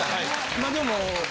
まあでも。